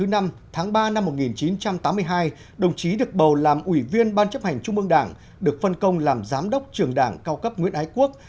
năm một nghìn chín trăm tám mươi sáu đồng chí được bầu làm ủy viên ban chấp hành trung mương đảng được phân công làm giám đốc trường đảng cao cấp nguyễn ái quốc